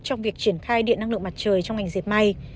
trong việc triển khai điện năng lượng mặt trời trong ngành dẹp may